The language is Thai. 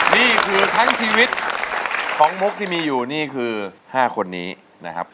นี่คือทั้งชีวิตของมุกที่มีอยู่นี่คือ๕คนนี้นะครับ